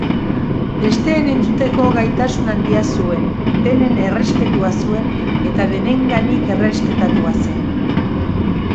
Besteen entzuteko gaitasun handia zuen, denen errespetua zuen eta denenganik errespetatua zen.